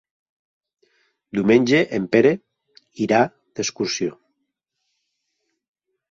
Diumenge en Pere irà d'excursió.